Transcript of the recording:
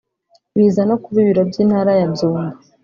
biza no kuba ibiro by’Intara ya Byumba